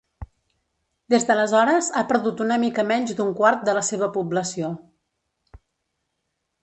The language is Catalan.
Des d'aleshores, ha perdut una mica menys d'un quart de la seva població.